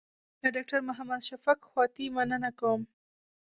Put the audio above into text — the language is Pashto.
له ډاکټر محمد شفق خواتي مننه کوم.